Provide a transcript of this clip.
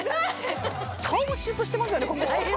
顔もシュッとしてますよね。